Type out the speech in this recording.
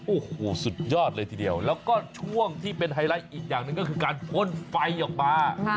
โอ้โหสุดยอดเลยทีเดียวแล้วก็ช่วงที่เป็นไฮไลท์อีกอย่างหนึ่งก็คือการพ่นไฟออกมา